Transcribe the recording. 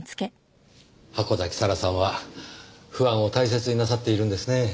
箱崎咲良さんはファンを大切になさっているんですね。